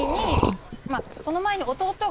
その前に。